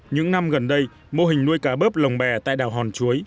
những năm gần đây mô hình nuôi cá bớp lồng bè tại đảo hòn chuối